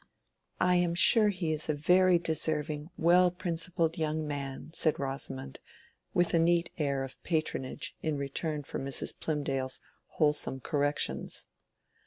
"I am sure he is a very deserving, well principled young man," said Rosamond, with a neat air of patronage in return for Mrs. Plymdale's wholesome corrections.